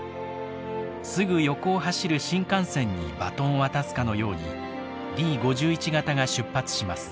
すぐ横を走る新幹線にバトンを渡すかのようにＤ５１形が出発します。